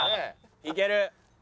いける！